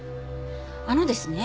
あのですね。